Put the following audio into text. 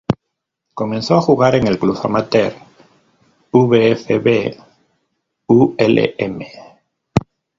Comenzó a jugar en el club amateur VfB Ulm.